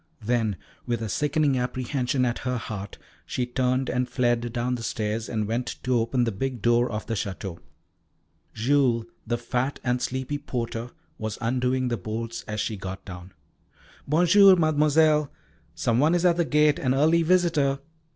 Then with a sickening apprehension at her heart, she turned and fled down the stairs and went to open the big door of the Château. Jules, the fat and sleepy porter, was undoing the bolts as she got down. "Bonjour, Mademoiselle. Some one is at the gate, an early visitor."